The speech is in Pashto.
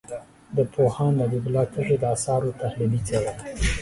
د پوهاند حبیب الله تږي د آثارو تحلیلي څېړنه